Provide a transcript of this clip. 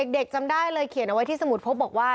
จำได้เลยเขียนเอาไว้ที่สมุทรพบบอกว่า